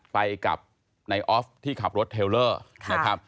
ไปกับนายออฟที่ขับรถเทลเลอร์